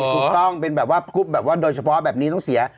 ถูกต้องเป็นแบบว่ากรุ๊ปแบบว่าโดยเฉพาะแบบนี้ต้องเสีย